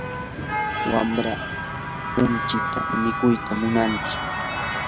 wamraa unchikta mikuyta munantsu.